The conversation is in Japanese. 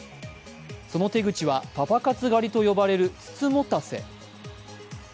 その手口はパパ活狩りと呼ばれる美人局。